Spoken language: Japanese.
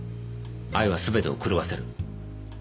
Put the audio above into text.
愛は全てを狂わせる。